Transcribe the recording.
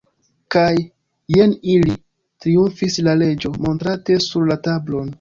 "Kaj jen ili," triumfis la Reĝo, montrante sur la tablon.